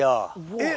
えっ！